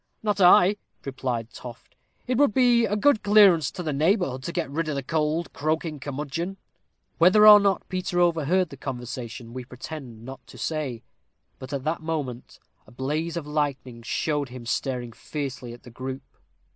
"Not I," replied Toft; "it would be a good clearance to the neighborhood to get rid o' th' old croaking curmudgeon." Whether or not Peter overheard the conversation, we pretend not to say, but at that moment a blaze of lightning showed him staring fiercely at the group.